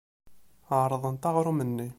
Ɛerḍent aɣrum-nni.